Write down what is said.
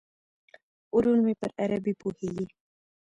ورور مې پر عربي پوهیږي.